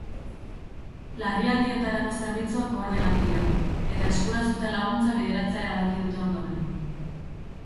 Larrialdietarako zerbitzuak koordinatu dira, eta eskura zuten laguntza bideratzea erabaki dute ondoren.